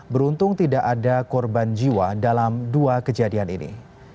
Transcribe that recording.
beruntung tidak ada korban jiwa dalam dua kejadian ini